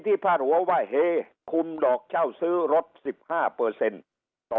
ที่ผ้าหัวว่าเฮคุมดอกเช่าซื้อรถสิบห้าเปอร์เซ็นต์ต่อ